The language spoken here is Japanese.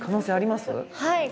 はい。